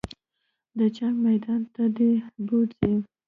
د جنګ میدان ته دې بوځي.